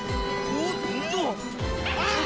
おっと！